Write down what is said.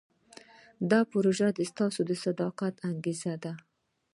دا پروژه ستاسو د صداقت انعکاس دی.